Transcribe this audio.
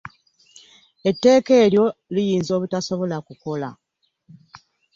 Etteeka eryo liyinza obutasobola kukola.